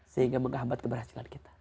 sehingga menghambat keberhasilan kita